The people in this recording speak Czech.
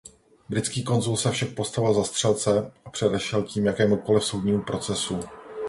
Britský konzul se však postavil za střelce a předešel tím jakémukoliv soudnímu procesu.